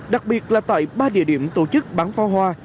đặc biệt là tại ba địa điểm tổ chức bán pháo hoa